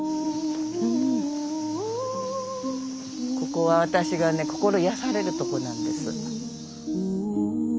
ここは私がね心癒やされるとこなんです。